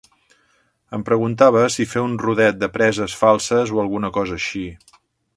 Em preguntava si fer un rodet de preses falses o alguna cosa així.